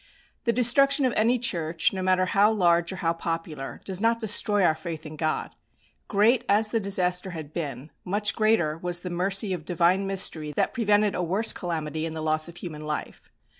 The destruction of any church, no matter how large or how popular, does not destroy our faith in God. Great as the disaster had been, much greater was the mercy of Divine mystery that prevented a worse calamity in the loss of human life.